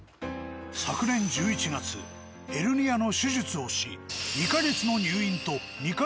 昨年１１月ヘルニアの手術をし。